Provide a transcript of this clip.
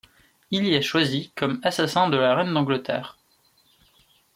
Il y est choisi comme assassin de la Reine d'Angleterre.